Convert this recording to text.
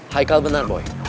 haikal bener boy